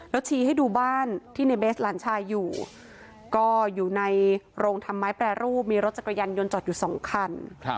แล้วชี้ให้ดูบ้านที่ในเบสหลานชายอยู่ก็อยู่ในโรงทำไมแปรรูปมีรถจักรยานยนต์จอดอยู่สองคัน